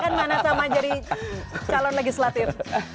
kan mana sama jadi calon legislatif